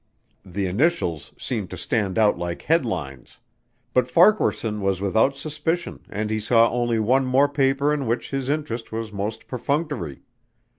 The initials seemed to stand out like headlines, but Farquaharson was without suspicion and he saw only one more paper in which his interest was most perfunctory.